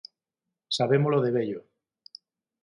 Sabémolo de vello.